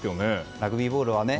ラグビーボールはね。